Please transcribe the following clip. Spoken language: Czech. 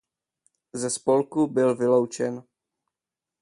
Ze spolku byl vyloučen.